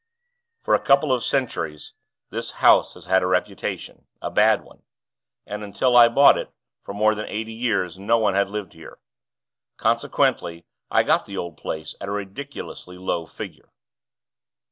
For a couple of centuries, this house has had a reputation, a bad one, and, until I bought it, for more than eighty years no one had lived here; consequently, I got the old place at a ridiculously low figure.